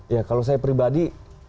ya kalau saya pribadi